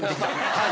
はい。